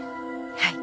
はい。